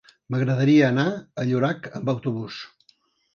M'agradaria anar a Llorac amb autobús.